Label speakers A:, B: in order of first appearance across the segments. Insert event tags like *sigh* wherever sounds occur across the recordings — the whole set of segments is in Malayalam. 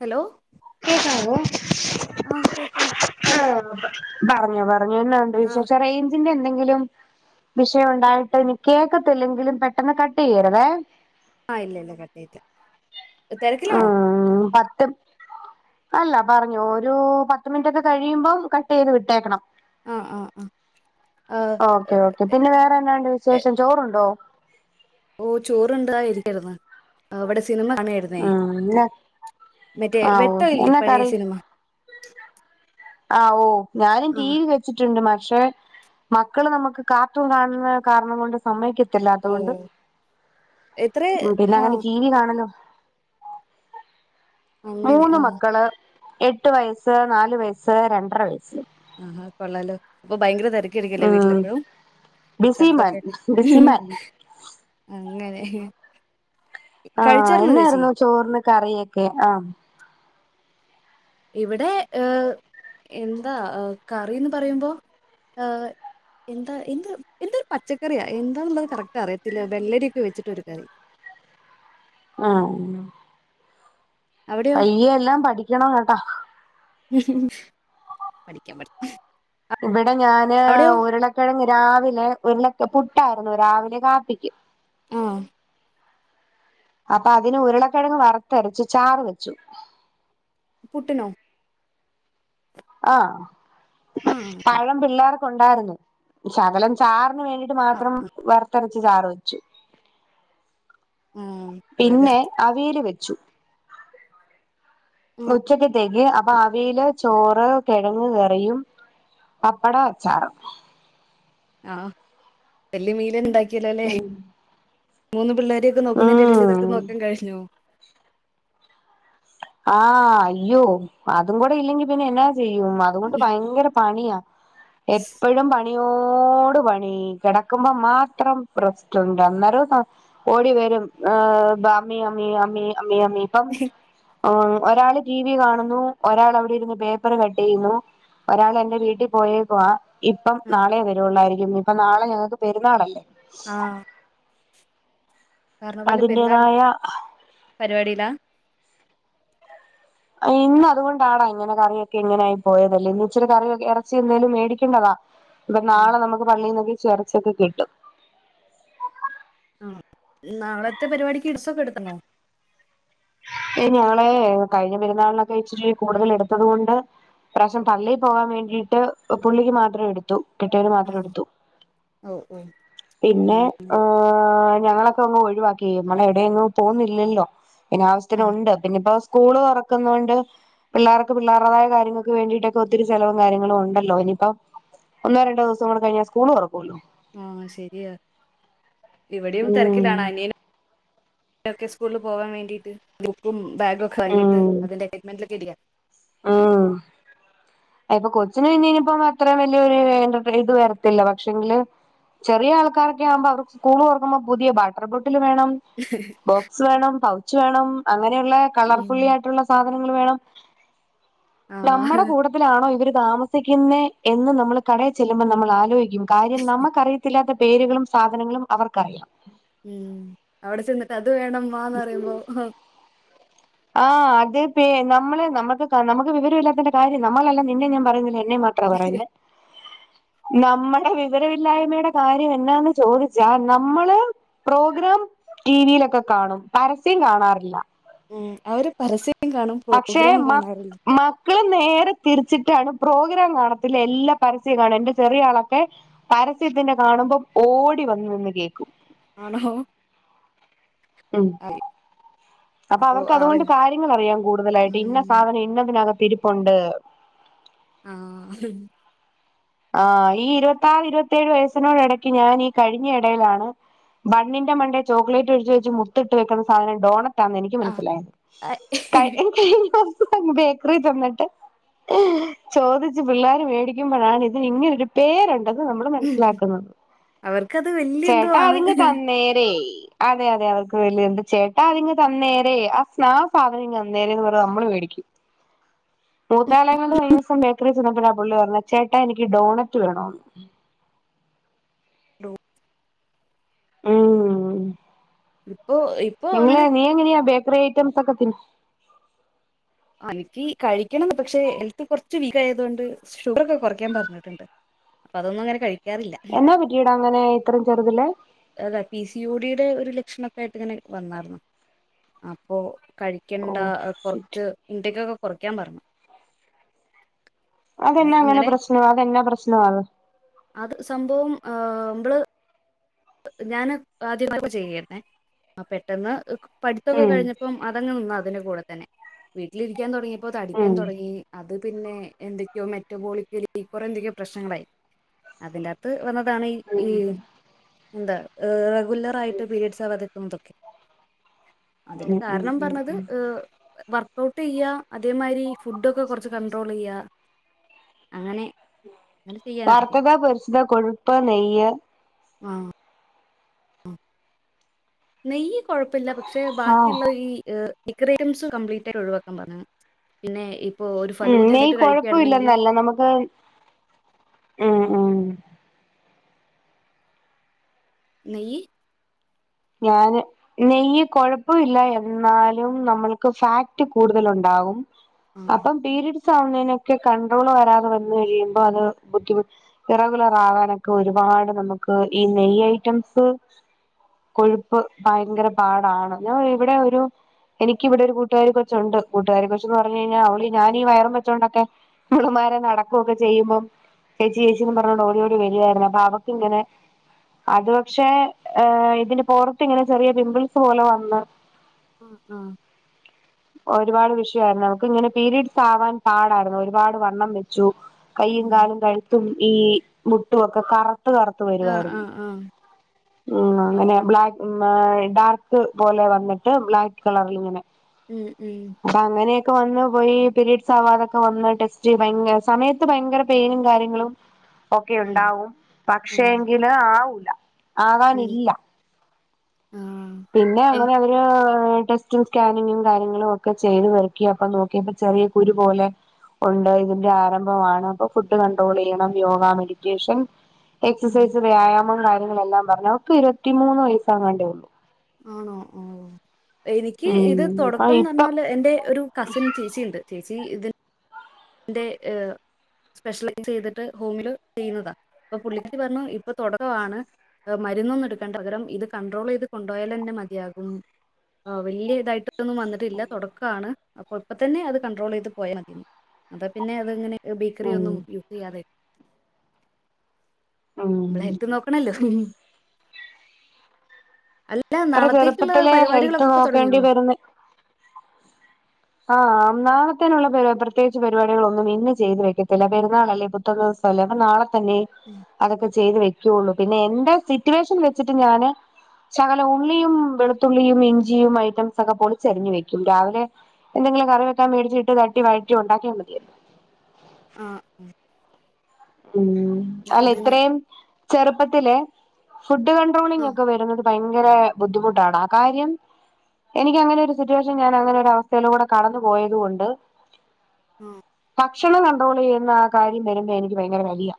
A: ഹലോ
B: *inaudible*
A: ആ കേക്കാം
B: *unintelligible*
A: ഹലോ
B: ആ പറഞ്ഞോ പറഞ്ഞോ എന്നാ ന്തു
A: ആ
B: വിശേഷം പറീ എന്തെങ്കിലും വിഷയം ഉണ്ടായിട്ട് ഇനി കേക്കത്തില്ലെങ്കിലും പെട്ടെന്ന് കട്ട് ചെയ്യരുതെ
A: ആഹ് ഇല്ല ഇല്ല കട്ടയില്ലാ തിരക്കിലോ
B: ആഹ് പത്ത് അല്ല പറഞ്ഞോ ഒരു പത്ത് മിനിറ്റ് ഒക്കെ കഴിയുമ്പം കട്ട് ചെയ്ത് വിട്ടേയ്ക്കണം
A: ആ ആ ആ ആ,
B: ഓക്കെ ഓക്കെ പിന്നെ വേറെന്താണ്ട് വിശേഷം ചോറ്ണ്ടോ
A: ഓഹ് ചോറുണ്ട് ഇതായിരിക്കുന്നു അവിടെ സിനിമ കാണ *unintelligible*
B: ഉം ന്നെ
A: മറ്റേ
B: ആ ഓ
A: വെട്ട ഇല്ലേ
B: എന്നാ
A: പഴയ
B: കറി
A: സിനിമ
B: ആഹ് ഓഹ് ഞാനും
A: ആ
B: ടി വി വെ ണ്ട് പക്ഷെ മക്കള് നമുക്ക് കാറ്ട്ടൂ കാണുന്ന കാരണം കൊണ്ട് സമയ്ക്കെത്തില്ലാ
A: ഓ
B: അത്കൊണ്ട്
A: എത്ര
B: പിന്നെ
A: ആ
B: അങ്ങനെ ടി വി കാണലോ
A: അങ്ങനെ
B: മൂന്ന്
A: ആ
B: മക്കള് എട്ട് വയസ്സ് നാല് വയസ്സ് രണ്ടര വയസ്സ്
A: ആഹാ കൊള്ളാലോ ഇപ്പൊ ഭയങ്കര തെര തെരക്കെല്ലെ വീട്ടില
B: ഉം
A: എപ്പോഴും
B: ബിസിമാൻ
A: ശബ്ധക്കായി ആഹ്
B: ബിസിമാൻ
A: അങ്ങനെ
B: ആഹ്
A: കഴിച്ചായിരുന്നോ ചേച്ചി
B: എന്നായിരുന്നു ചോറിനു കറിയൊക്കെ ആഹ്
A: ഇവിടെ ഏ എന്താ കറിന്ന് പറയുമ്പോ എയ് എന്തോ എന്ത ഒരു പച്ചക്കറിയാ എന്താന്നുള്ളത് കറക്റ്ററിയത്തില്ല വെള്ളരി ഒക്കെ വെച്ചിട്ട് ഒരു കറി
B: ആഹ്
A: അവിടെയോ
B: പയ്യെ എല്ലാം പഠിക്കണം കേട്ടോ
A: പഠിക്കാൻ പഠി
B: ഇവിടെ ഞാന്
A: അവിടെയോ
B: ഉരുളക്കിഴങ്ങ് രാവിലെ ഉരുള പുട്ടായിരുന്നു രാവിലെ കാപ്പിക്ക്
A: ആ
B: അപ്പൊ അതിന് ഉരുളക്കിഴങ്ങ് വറുത്തരച്ച് ചാറ് വെച്ചു
A: പുട്ടിനൊ
B: ആഹ്
A: ആഹ്
B: പഴം പിള്ളേർക്കുണ്ടായിരുന്നു ശകലം ചാറിന് വേണ്ടീട്ട്
A: ആഹ്
B: മാത്രം വറത്തരച്ച് ചാറ് വെച്ചു
A: ആഹ് വളരെ
B: പിന്നെ അവിയല് വെച്ചു ഉച്ചത്തേക്ക് അപ്പൊ അവിയല് ചോറ് കിഴങ്ങ് കറിയും പപ്പടവും അച്ചാറും
A: ആഹ് വലിയ മീന് ഉണ്ടാക്കിയല്ലോ അല്ലോ മൂന്ന് പിള്ളേ രെയൊക്കെ നോക്കുന്നതിന്റെ ഇടേൽ ഇതൊക്കെ
B: ഉം
A: നോക്കാൻ കഴിഞ്ഞോ
B: ആഹ് അയ്യോ അതും കൂടെ ഇല്ലെങ്കി പിന്നെ എന്നാ ചെയ്യും അതുകൊണ്ട് ഭയങ്കര പണിയാ എപ്പോഴും പ ണിയോട് പണി കിടക്കുമ്പോ മാത്രം റെസ്റ്റുണ്ട് അന്നേരം ഓടി വരും ബമ്മി അമ്മി അമ്മി അമ്മി അമ്മി പ ഒരാള് ടിവി കാണുന്നു ഒരാള് അവിടെ ഇരുന്ന് പേപ്പർ കട്ട് ചെയ്യുന്നു ഒരാൾ എന്റെ വീട്ടിൽ പോയേക്കുവാ ഇപ്പം നാളെ വരുവൊള്ളായിരിക്കും ഇപ്പം നാളെ ഞങ്ങൾക്ക് പെരുന്നാളല്ലേ
A: ആഹ് പറഞ്ഞ പോലെ പെരുന്നാൾ
B: അതിന്റേതായ
A: പരിപാടിയിലാ
B: ഇന്ന് അത്കൊണ്ടാണോ ഇങ്ങനെ കറിയൊക്കെ ഇങ്ങനെ ആയി പോയത് അല്ലെങ്കി ഇച്ചിരി കറി ഇറച്ചി എന്തേലും മേടിക്കണ്ടതാ ഇപ്പൊ നാളെ നമുക്ക് പള്ളീൽന്നൊക്കെ ഇറച്ചിയൊക്കെ കിട്ടും
A: ആഹ് നാളത്തെ പരിപാടിക്ക് ഡ്രെസൊക്കെ എടുക്കുന്നൊ
B: നാളെ കഴിഞ്ഞ പെരുന്നാളിനൊക്കെ ഇച്ചിരി കൂടുതൽ എടുത്തത് കൊണ്ട് ഇപ്രാവശ്യം പള്ളയിൽ പോകാൻ വേണ്ടിട്ട് പുള്ളിക്ക് മാത്രം എടുത്തു കെട്ടിയോന് മാത്രം
A: ആഹ്
B: എടുത്തു
A: ഓഹ് ഓഹ്
B: പിന്നെ
A: ഉം
B: ഏഹ് ഞങ്ങള് അങ്ങ് ഒഴിവാക്കി നമ്മള് എവിടെയെങ്ങും പോകുന്നില്ലല്ലോ പിന്നെ
A: ആഹ്
B: അവശ്യത്തിനുണ്ട് പിന്നിപ്പോ സ്കൂള് തൊറക്കുന്നോണ്ട് പിള്ളേർക്ക് പിള്ളേരുടേതായ കാര്യങ്ങൾക്ക് വേണ്ടിയിട്ടൊക്കെ ഒത്തിരി ചെലവും കാര്യങ്ങളും ഉണ്ടല്ലോ ഇനിയിപ്പം ഒന്നോ രണ്ടോ ദിവസം കൂടികഴിഞ്ഞാ സ്കൂള് തുറക്കൂലോ
A: ആഹ് ശെരിയ ഇവിടെയും
B: ഉം
A: തിരക്കിലാണ് അനി നൊക്കെ സ്കൂളില് പോവാൻ വേണ്ടിട്ട് ബുക്കും ബാഗും ഒക്കെ വാങ്ങിട്ട് അതിന്റെ *unintelligible*
B: ആഹ് അ ഇപ്പൊ കൊച്ചിന് പിന്നെ ഇനിയിപ്പോ അത്രേം വലിയൊരു ഇത് വരത്തില്ല പക്ഷേങ്കില് ചെറിയ ആൾക്കാരൊക്കെ ആകുമ്പോ അവർക്ക് സ്കൂള് തൊറക്കുമ്പോ പുതിയ വാട്ടർ ബോട്ടില് വേണം
A: *unintelligible*
B: ബോക്സ് വേണം പൗച്ച് വേണം അങ്ങനെയുള്ള
A: ഉം
B: കളർഫുള്ളി ആയിട്ടുള്ള സാധനങ്ങള് വേണം
A: ആഹ്
B: നമ്മുടെ കൂട്ടത്തിലാണോ ഇവര് താമസിക്കുന്നെ എന്ന് നമ്മൾ കടയിൽ ചെല്ലുമ്പോൾ നമ്മൾ ആലോചി ക്കും കാര്യം നമുക്കറിയത്തില്ലാത്ത പേരുകളും സാധനങ്ങളും അവർക്കറിയാം
A: ഉം അവിടെ ചെന്നിട്ട് അത് വേണം വാന്ന് പറയുമ്പോ
B: ആഹ് അതേപ്പെ നമ്മള് നമ്മക്ക് നമക്ക് വിവരമില്ലാത്തന്റെ കാര്യം നമ്മളല്ല നിന്നെ ഞാൻ പറയുന്നില്ല എന്നെ മാ ത്രാ പറയുന്നെ നമ്മടെ വിവരമില്ലായ്മയുടെ കാര്യം എന്നാന്ന് ചോദിച്ചാ നമ്മള് പ്രോഗ്രാം ടി വിയിലൊക്കെ കാണും പരസ്യം കാണാറില്ല
A: ഉം അവര് പരസ്യം കാണും
B: പക്ഷെ
A: പ്രോഗ്രാം
B: മ
A: കാണാറില്ല
B: മ മക്കള് നേരെ തിരിച്ചിട്ടാണ് പ്രോഗ്രാം കാണത്തില്ല എല്ലാ പരസ്യോം കാണും എന്റെ ചെറിയ ആളൊക്കെ പരസ്യത്തിന്റെ കാണുമ്പം ഓടി വന്ന് നിന്ന് കേക്കും
A: ആണോ
B: ഉം
A: *inaudible*
B: അപ്പൊ അവർക്ക്
A: അവ
B: അതുകൊണ്ട് കാര്യങ്ങൾ അറിയാം കൂടുതലായിട്ട് ഇന്ന
A: ഉം
B: സാധനം ഇന്നതിനകത്ത് തിരുപ്പുണ്ട്.
A: ആഹ
B: ആ ഈ ഇരുപത്തിാറ് ഇരുപത്തിേഴ് വയസ്സിനോട് ഇടയ്ക്ക് ഞാനീഈ കഴിഞ്ഞ ഇടയിലാണ് ബണ്ണിന്റെ മണ്ട ചോക്ലേറ്റ് ഒഴി വെച്ച് മുത്തിട്ട് വെക്കുന്ന സാധനം ഡോണ എനിക്ക്
A: ആ
B: മനസ്സിലായത്
A: ആഹ്
B: ക ബേക്കറി ചന്നിട്ട് ചോദിച്ച് പിള്ളേർ മേടിക്കുമ്പോഴാണ് ഇ ഇതി ഇങ്ങനെൊരു പേരുണ്ട് നമ്മൾ മനസ്സിലാക്കുന്നത്
A: അവർക്കത് വല്യ എന്തോ
B: ചേട്ടാ
A: ആണ്
B: അതി തന്നേര അതെ അതെ അവർക്ക് വലിയ എന്താ ചേട്ടാ അതിങ്ങ തന്നേരെ ആ സ്നാ സാധനം ഇ അന്നേരന്ന് പറ നമ്മള് മേടിക്കും. മൂത്താളകൊണ്ട് കഴിഞ്ഞ ദിവസം ബേക്കറി ചെന്നപ്പ ആ പുള്ളി പറഞ്ഞ ചേട്ടാ എനിക്ക് ഡോണറ്റ് വേണന്ന്
A: ഹലോ
B: *unintelligible*
A: ഇപ്പൊ ഇ
B: നിങ്ങള് നീ എങ്ങനെയാ ബേക്കറി ഐറ്റംസ് ഒക്കെ തിന്നു
A: എനിക്ക് കഴിക്കണംന്ന് പക്ഷെ ഹെൽത്ത് കുറച്ച് വീക്ക് ആയത് കൊണ്ട് ഷുഗർ ഒക്കെ കുറയ്ക്കാൻ പറഞ്ഞിട്ടുണ്ട്. അതൊന്ന അങ്ങെ കഴ
B: എന്നാ പറ്റീടാ അങ്ങനെ ഇത്രയും ചെറുത് ല്
A: അതെ പി സി യ ഡിയുടെ ഒരു ലക്ഷണൊക്കെ ആയിട്ട് ഇങ്ങനെ വന്നായിർന്നു. അപ്പൊ
B: ഓ
A: കഴിക്കണ്ട
B: ഷിറ്റ്
A: കൊറച്ച് ഇണ്ടക്കൊക്കെ കുറക്കാൻ പറഞ്ഞു
B: അതെ എന്നാ അങ്ങനെ പ്രശ്നം അത എന്നാ പ്രശ്നം അ
A: അത് സംഭവം മ്മള് ഞാന് ആദ്യ *unintelligible* ചെയ്യന്നെ പെട്ടെന്ന് പഠിത്തൊക്കെ
B: ഉം
A: കഴിഞ്ഞപ്പം മതങ്ങൾ നിന്ന അതിന്റെ കൂടെ തന്നെ വീട്ടിലിരിക്കാൻ തുടങ്ങിയപ്പോ തടിക്കാൻ
B: ഉം
A: തുടങ്ങി അത് പിന്നെ എന്തൊക്കെയോ മെറ്റബോളിക്കലി കുറെ എന്തൊക്കെയോ പ്രശ്നങ്ങളായി. അതിന്റെ കത്ത് വന്നതാണ് ഈ ഈ
B: ഉം
A: എന്താ റെഗുലർ ആയിട്ട് പീരയഡ്സ് ആവാതിെക്കുന്നതൊക്കെ അതിന്
B: ഉം ഉം
A: കാരണം
B: ഉം
A: പറഞ്ഞത്
B: ഉം
A: ഏ വർക്കഔട്ട് ചെയ്യ അതേമാതിരി ഫുഡ ഒക്കെ കുറച്ച് കണ്ട്രോൾ ചെയ്യ അങ്ങനെ അങ്ങനെ ചെയ്യാനാ പറഞ്ഞെ
B: വാർത്തത്, പൊരിച്ചത്, കൊഴുപ്പ്, നെയ്യ്
A: ആഹ നെയ്യ് കുഴപ്പമില്ല പക്ഷെ
B: ആഹ്
A: ബാക്കിയുള്ള ഈ ബേക്കറി അയിംസ് കംപ്ലീറ്റ് ആയിട്ട് ഒഴിവാക്കാൻ പറഞ്ഞീണ് പിന്നെ ഇപ്പൊ ഒരു
B: ഉം
A: ഫലൂദ
B: നെയ്
A: ആയിട്ട് കഴിക്കുകയായിരുന്നെങ്കില്
B: കൊഴപ്പില്ലന്നല്ല നമുക്ക് ഹ് ഹ്
A: നെയ്യ്
B: ഞാന് നെയ്യ് കൊഴപ്പില്ല എന്നാലും നമ്മൾക്ക് ഫാക്ട് കൂടുതല് ഉണ്ടാകും.
A: ആഹ്
B: അപ്പം പീരയഡ്സ് ആവുന്നതിനൊക്കെ കൺണ്ട്രോള് വരാതെ വന്ന് കഴിയുമ്പോ അത് ബുദ്ധിമു റഗുലർ ആകാനൊക്കെ ഒരുപാട് നമുക്ക് ഈ നെയ്യ് ഐറ്റംസ് കൊഴുപ്പ് ഭയങ്കര പാടാണ് ഞ ഇവിടെ ഒരു എനിക്കി ഇവടെ ഒരു കൂട്ടുകാരി കൊച്ചുണ്ട് കൂട്ടാരി കൊച്ച് എന്ന് പറഞ്ഞഞ് കഴിഞ്ഞ അവളി ഞാനീ വയറും വെച്ചോൊക്കെ മുളുമാരെ നടക്കുകൊക്കെ ചെയ്യുമ്പം ചേച്ചി ചേച്ചിന്ന് പറഞ്ഞ് ഓടിയോടി വരുവായിരുന്നു അപ്പ അവക്ക് ഇങ്ങനെ അത്പക്ഷെ ഇതിന് പുറത്ത് ഇങ്ങനെ ചെറിയ പിംമ്പിൾസ് പോലെ വന്ന്
A: ആ ആ.
B: ഒരുപാട് വിഷയമായിരുന്നു അവക്ക് ഇങ്ങനെ പീരീഡ്സ് ആവാൻ പാടായിരുന്നു ഒരുപാട് വണ്ണം വെച്ചു. കയ്യും കാലും കഴുത്തും ഈ മുട്ടുംക്കെ കറുത്ത് കറത്ത് ത്ത് വരുവായിരുന്നു.
A: ആഹ് ആഹ്
B: ഉം അങ്ങനെ ബ്ലാക്ക് ഉം ആഹ് ഡാർക്ക് പോലെ വന്നിട്ട് ബ്ലാക്ക് കളറിൽ ഇങ്ങനെ.
A: ഉം ഉം
B: അപ്പ അങ്ങനെയക്കെ വന്ന് പോയി. പിരിഡ്സ് ആവാതക്കെ വന്ന് ടെസ്റ്റ് ഭയങ്കര സമയത്ത് ഭയങ്കര പെയിനും കാര്യങ്ങളും ഒക്കെ
A: ഉണ്ട്
B: ഉണ്ടാവും
A: ആഹ്
B: പക്ഷേ
A: ഉം
B: എങ്കില് ആവൂല. ആകാനില്ല
A: ആഹ്
B: പിന്നെ
A: എനി
B: അങ്ങനെ അവ *unintelligible* ടെസ്റ്റും സ്കാനിങ്ങും കാര്യങ്ങളും ഒക്കെ ചെയ്ത് വരക്കി അപ്പ നോക്കിയപ്പ ചെറിയ കുരു പോലെ കൊണ്ടോയി ഇതിന്റെ ആരംഭമാണ് അപ്പൊ ഫുഡ് കൺട്രോൾ യ്യണം. യോഗ, മെഡിറ്റേഷൻ എക്സസൈസ്, വ്യായാമം കാര്യങ്ങളെല്ലാം പറഞ്ഞു. ഓക്ക് ഇരുപത്തിമൂന്ന് വയസ്സാകാണ്ടേ ഉള്ളൂ.
A: ആണോ ഓഹ് എനിക്ക്
B: ഉം
A: ഇത്
B: ആ ഇപ്പം
A: തൊടക്കംന്നർഞ്ഞാല് എന്റെ ഒരു കസിൻ ചേച്ചി ണ്ട് ചേച്ചി ഇത് ന്റെ ഏഹ് സ്പെഷ്യലൈസ് ചെയ്തിട്ട് ഹോമില് യ്യ്ന്നതാ അപ്പൊ പുള്ളിക്കാരി പർഞ്ഞു ഇപ്പ തുടക്കാണ് മരുന്ന് ന്നും ട്ക്കണ്ട പകരം ഇത് കൺട്രോൾ യ്ത് കൊണ്ടോയലന്നെ മതിയാകും. ആഹ് വല്യ തായിട്ടൊന്നും വന്ന്ട്ടില്ല തുടക്കാണ് അപ്പൊ ഇപ്പ തന്നെ അത് കൺട്രോൾ യ്ത് പോയാ മതിന്ന്. അതാ പിന്നെ അതെങ്ങനെ ബേക്കറി
B: ഉം
A: ഒന്നും യൂസ് യ്യാതായ്.
B: ഉം
A: നമ്മളെ ഹെൽത്ത് നോക്കണല്ലോ ഉം അല്ല
B: ഇത്ര
A: നാളത്തേക്ക്ള്ള
B: ചെറുപ്പത്തിലെ ഹെൽത്ത്
A: പരിപാടികളൊക്കെ പ്പ തൊടങ്ങിയോ?
B: നോക്കേണ്ടി വരുന്ന ആഹ് നാളത്തെനുള്ള പെരു പ്രത്യേകിച്ച് പരിപാടികളൊന്നും ഇന്ന് ചെയ്ത് വെക്കത്തില്ല പെരുന്നാൾ അല്ലേ പ്പം. *unintelligible* അപ്പ നാളെ തന്നെ.
A: ഉം
B: അതക്കെ ചെയ്ത് വെക്കുള്ളു. പിന്നെ എന്റെ സിറ്റുവേഷൻ വെച്ചിട്ട് ഞാന് ശകലം ഉള്ളിയും വെളുത്തുള്ളിയും ഇഞ്ചിയും ഐറ്റംസ ക്കെ പോളിച്ചരിഞ്ഞ് വെക്കും. രാവിലെ എന്തെങ്കിലും കറി വെക്കാ മേടിച്ചിട്ട് തട്ടി വഴറ്റി ഉണ്ടാക്കിയ മതിയല്ലോ.
A: ആഹ് ഉം
B: ഉം അല്ല
A: അങ്ങനെ
B: ഇത്രയും ചെറുപ്പത്തിലെ ഫുഡ്
A: ആ
B: കൺട്രോളിംഗ് ഒക്കെ വരുന്നത് ഭയങ്കര ബുദ്ധിമുട്ടാണ് ആഹ് കാര്യം. എനിക്ക് അങ്ങനെ ഒരു സിറ്റുവേഷൻ ഞാൻ അങ്ങനെ ഒരു അവസ്ഥയിലൂടെ കടന്ന് പോയത്കൊണ്ട്
A: ആഹ്
B: ഭക്ഷണം കൺട്രോൾ യ്യുന്ന കാര്യം വരുമ്പേ എനിക്ക് ഭയങ്കര കലിയ.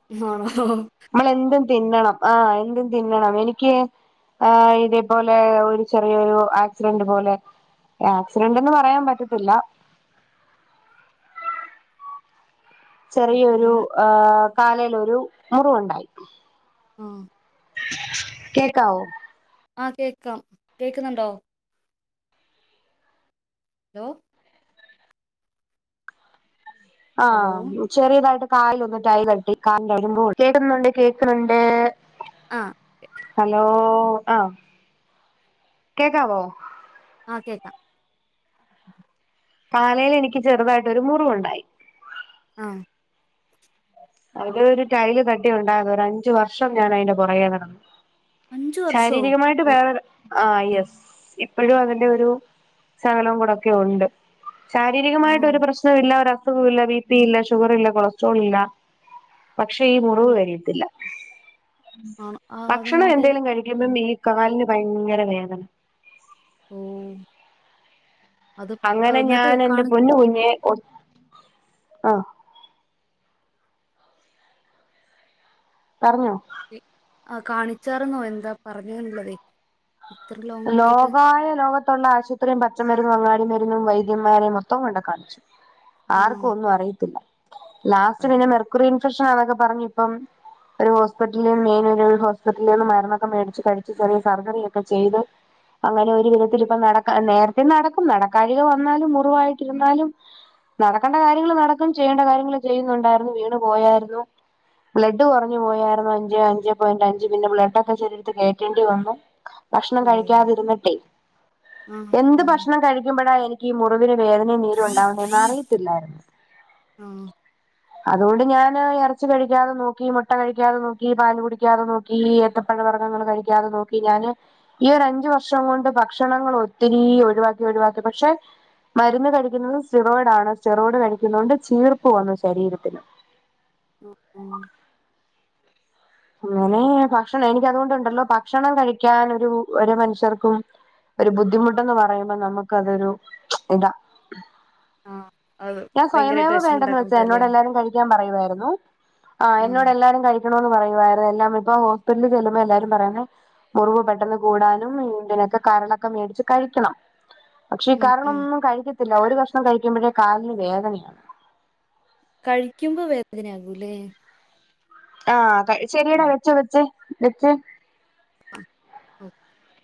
A: *unintelligible*
B: നമ്മളെന്തും തിന്നണം ആഹ് എന്തും തിന്നണം എനിക്ക് ആഹ് ഇതേപോലെ ഒരു ചെറിയൊരു ആക്സിഡന്റ് പോലെ. ആക്സിഡന്റ് ന്ന് പറയാൻ പറ്റത്തില്ല.
A: പിന്നെ
B: ചെറിയൊരു ആഹ് കാലേൽ ഒരു മുറിവുണ്ടായി.
A: ആഹ്
B: കേക്കാവോ?
A: ആഹ് കേക്കാം. കേക്ക്ന്ന്ണ്ടോ? ഹലോ? ഹലോ
B: ആഹ് ബ്ലും ചെറ്യേതായിട്ട് കാലിലൊന്ന് ട്ടൈ കെട്ടി കാലിന്റെ *unintelligible* കേക്കുന്നുണ്ട് കേക്ക്ണ് ണ്ട്.
A: ആഹ്
B: ഹലോ ആഹ് കേക്കാവോ?
A: ആഹ് കേക്കാം.
B: കാലേൽ എനിക്ക് ചെർതായിട്ടൊരു മുറിവുണ്ടായി.
A: ആഹ്
B: അതരു ടൈല് തട്ടി ഉണ്ടാ രുന്നു ഒരഞ്ച് വർഷം ഞാൻ അയിന്റെ പൊറകേ നടന്നു.
A: അഞ്ചു വർഷമോ
B: ശാരീരികമായി ട്ട് വേറെ ആഹ് യെസ് ഇപ്പഴും അതിന്റെ ഒരു ശകലവും കൂടക്കെ ഉണ്ട്.
A: ആണോ
B: ശാരീരികമായിട്ടൊരു പ്രശ്നമില്ല ഒര സുഖവുമില്ല ബി പി, ഇല്ല ഷുഗറില്ല, കൊളസ്ട്രോളില്ല, പക്ഷേ ഈ
A: ആ
B: മുറിവ് കരിയത്തില്ല
A: ആണോ ആ
B: ഭക്ഷണം
A: അതെന്തേ
B: എന്തേലും കഴിക്കുമ്പം മീ കാലിന് ഭയങ്കര വേദന
A: ഉം
B: അങ്ങനെ
A: എന്നിട്ട്
B: ഞാനെന്റെ
A: കാണി
B: പൊന്നു കുഞ്ഞേ ഒത് ആഹ് പർഞ്ഞോ
A: എ ആഹ് കാണിച്ചാർന്നോ എന്താ പർഞ്ഞത് ന്നുള്ളതേ തൃലോ
B: ലോകായ ലോകത്തുള്ള ആശുപത്രിയും, പച്ചമരുന്നും, അങ്ങാടി മരുന്നും, വൈദ്യന്മാരെയും, മൊത്തം കൊണ്ടോയി കാണിച്ചു
A: ആണോ
B: ആർക്കും ഒന്നും അറിയത്തില്ല ലാസ്റ്റ്
A: ആഹ്
B: പിന്നെ മെർക്കുറി ഇൻഫെക്ഷനാന്നോക്കെ പറഞ് ഇപ്പം ഒരു ഹോസ്പിറ്റലി മെയിൻ ഒരു ഹോസ്പിറ്റലിന്ന് മരുന്നൊക്കെ മേടിച്ച് കഴിച്ച് ചെറിയ സർജറിയൊക്കെ ചെയ്ത് അങ്ങനെ ഒരു വിധത്തിലിപ്പ നടക്ക നേരത്തെ നടക്കും നടക്കാഴിക വന്നാലും മുറിവായിട്ടിരുന്നാലും നടക്കണ്ട കാര്യങ്ങൾ നടക്കും ചെയ്യേണ്ട കാര്യങ്ങള് ചെയ്യുന്നുണ്ടായിരുന്നു വീണ് പോയായിരുന്നു ബ്ലഡ് കുറഞ്ഞു പോയായിരുന്നു അഞ്ചേ അഞ്ച് പോയന്റ് അഞ്ച് പിന്നെ ബ്ലഡെക്കെ ശരീരത്ത് കേറ്റേണ്ടി വന്നു ക്ഷണം
A: ഉം
B: കഴിക്കാതിരുന്നിട്ടെ
A: ആഹ്
B: എന്ത് ഭക്ഷണം കഴിക്കുമ്പോഴാ എനി ക്കീ മുറിവിന് വേദനയും നീരും ഉണ്ടാവുന്നേന്ന് അറിയത്തില്ലായിരുന്നു അതോണ്ട് ഞാന് എറച്ചി കഴിക്കാതെ നോക്കി, മുട്ട കഴിക്കാതെ നോക്കി, പാല് കുടിക്കാതെ നോ ഈ ഏത്തപ്പഴ വർഗ്ഗങ്ങള് കഴിക്കാതെ നോക്കി ഞാന് ഈ ഒരഞ്ചു വർഷം കൊണ്ട് ഭക്ഷണങ്ങള് ഒത്തിരീ ഒഴിവാക്കി ഒഴിവാക്കി പക്ഷേ മരുന്ന് കഴിക്കുന്നത് സ്റ്റിറോയിഡ് ആണ് സ്റ്റിറോയിഡ് കഴിക്കുന്നോണ്ട് ചീർപ്പ് വന്ന് ശരീരത്തിന്
A: *unintelligible*
B: അങ്ങനെ ഭക്ഷണം എനിക്കതുകൊണ്ടുണ്ടല്ലോ ഭക്ഷണം കഴിക്കാനൊരു ഒരോ മനുഷ്യർക്കും ഒരു ബുദ്ധിമുട്ടെന്ന് പറയുമ്പൊ നമുക്ക് അതൊരു ഇതാ
A: ആഹ് അത്
B: ഞാൻ സ്വയമേവ
A: ഭയങ്കരമായിട്ട് വിഷമം
B: വേണ്ടന്ന് വെച്ചാ
A: ഉണ്ടാക്കുന്നതല്ലേ
B: എന്നോട് എല്ലാരും കഴിക്കാൻ പറയുവായിരുന്നു ആഹ് എന്നോടെല്ലാരും കഴി ക്കണോന്ന് പറയുവായിരുന്ന് എല്ലാം ഇപ്പോ ഹോസ്പിറ്റലി ചെല്ലുമ്പോ എല്ലാരും പറയുന്നെ മുറിവ് പെട്ടെന്ന് കൂടാനും ഇതിനൊക്കെ കരളൊക്കെ മേടിച്ച് കഴിക്കണം പക്ഷെ
A: ഉം ഉം
B: കരളൊന്നും കഴിക്കത്തില്ല ഒരു കഷ്ണം കഴിക്കുമ്പഴേ കാലിന് വേദനയാ
A: കഴിക്കുമ്പൊ വേതനയാകൂലേ?
B: ആഹ് കഴി ശെരിയടാ
A: ഉം ഓ
B: വെച്ച് വെച്ചെ വെച്ചെ
A: *unintelligible*